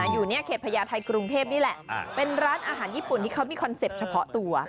อยู่ในเขตพญาไทยกรุงเทพนี่แหละเป็นร้านอาหารญี่ปุ่นที่เขามีคอนเซ็ปต์เฉพาะตัว